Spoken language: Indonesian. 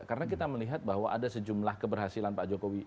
karena kita melihat bahwa ada sejumlah keberhasilan pak jokowi